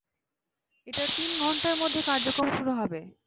এটার তিন ঘন্টার মধ্যে কার্যক্রম শুরু হবে।